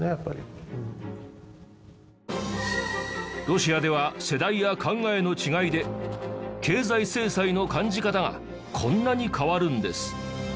ロシアでは世代や考えの違いで経済制裁の感じ方がこんなに変わるんです。